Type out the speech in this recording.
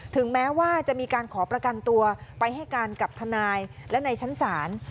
ถึงแม้ว่าจะมีการขอประกันตัวไปให้การกับทนายและในชั้นศาล